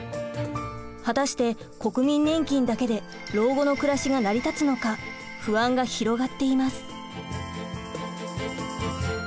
果たして国民年金だけで老後の暮らしが成り立つのか不安が広がっています。